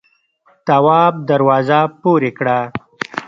تواب دروازه پورې کړه.